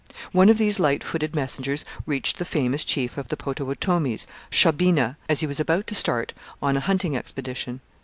One of these light footed messengers reached the famous chief of the Potawatomis, Shaubena, as he was about to start on a hunting expedition.